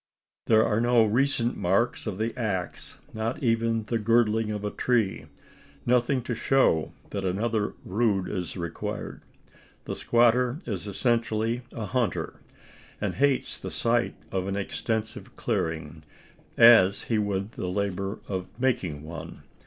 There are no recent marks of the axe not even the "girdling" of a tree nothing to show that another rood is required. The squatter is essentially a hunter; and hates the sight of an extensive clearing as he would the labour of making one.